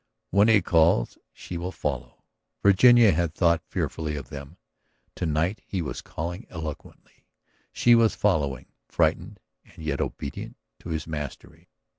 "When he calls she will follow!" Virginia had thought fearfully of them. To night he was calling eloquently, she was following, frightened and yet obedient to his mastery.